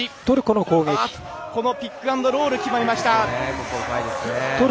このピック＆ロール決まりました。